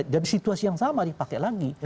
jadi situasi yang sama dipakai lagi